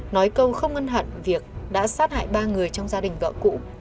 nói câu không ân hận việc đã sát hại ba người trong gia đình vợ cũ